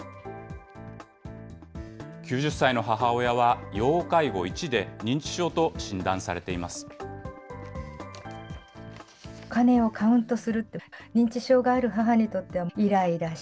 ９０歳の母親は要介護１で、認知症と診断されています。